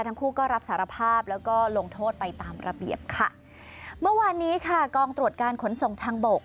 ทั้งคู่ก็รับสารภาพแล้วก็ลงโทษไปตามระเบียบค่ะเมื่อวานนี้ค่ะกองตรวจการขนส่งทางบก